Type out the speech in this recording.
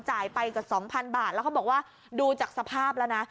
ไปกว่า๒๐๐บาทแล้วเขาบอกว่าดูจากสภาพแล้วนะ